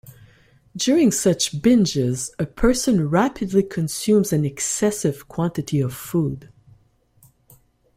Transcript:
During such binges, a person rapidly consumes an excessive quantity of food.